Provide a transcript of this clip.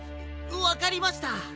わかりました。